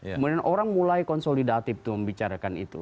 kemudian orang mulai konsolidatif tuh membicarakan itu